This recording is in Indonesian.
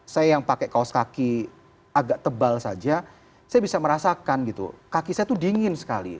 saya yang pakai kaos kaki agak tebal saja saya bisa merasakan gitu kaki saya tuh dingin sekali